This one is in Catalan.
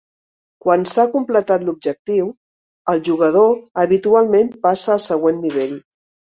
Quan s'ha completat l'objectiu, el jugador habitualment passa al següent nivell.